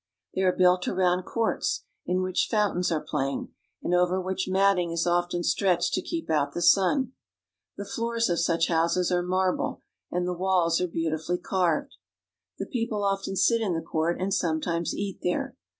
They are built around courts, in which fountains are playing, and over which matting is often stretched to keep out the sun. The floors of such houses are marble, and the walls are beautifully carved. The people often sit in the court and sometimes eat there.